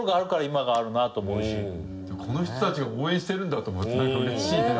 この人たちが応援してるんだと思うとなんか嬉しいね。